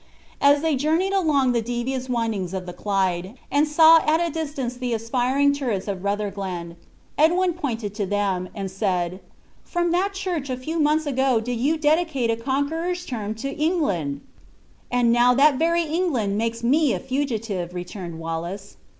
As they journeyed along the devious windings of the Clyde, and saw at a distance the aspiring turrets of Rutherglen, Edwin pointed to them, and said, "From that church a few months ago did you dictate a conqueror's terms to England." "And now that very England makes me a fugitive," returned Wallace.